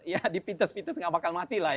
ya di pintus pintus enggak bakal mati lah ya